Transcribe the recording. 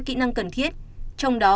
có nơi trên bốn mươi độ